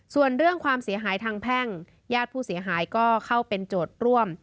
ส่วนเรื่องความเสียหายทางแพ่งญาติผู้เสียหายก็เข้าเป็นโจทย์ร่วม